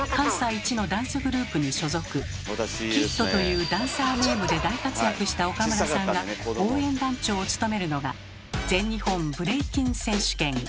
「ＫＩＤ」というダンサーネームで大活躍した岡村さんが応援団長を務めるのが「全日本ブレイキン選手権」。